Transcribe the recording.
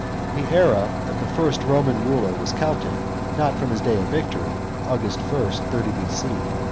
The era of the first Roman ruler was counted, not from the day of his victory, August 1 (30 B.C.)